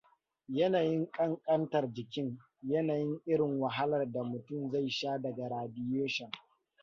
Yanayin ƙanƙantar jikin, yanayin irin wahalar da mutum zai sha daga radiation.